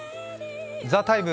「ＴＨＥＴＩＭＥ，」